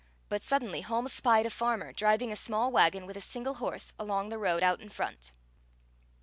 But suddenly Holmes spied a farmer driving a small wagon with a single horse along the road out in front.